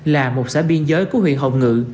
là một xã biên giới của huyện hồng ngự